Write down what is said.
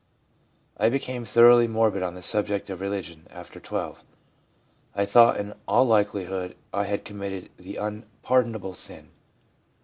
* I became thoroughly morbid on the subject of religion (after 12). I thought in all likelihood I had committed " the unpardonable sin."